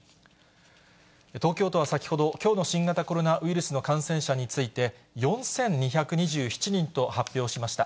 東京都は先ほど、きょうの新型コロナウイルスの感染者について、４２２７人と発表しました。